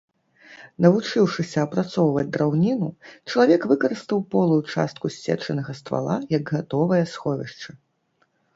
Навучыўшыся апрацоўваць драўніну, чалавек выкарыстаў полую частку ссечанага ствала як гатовае сховішча.